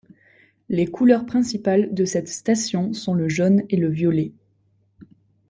Les couleurs principales de cette station sont le jaune et le violet.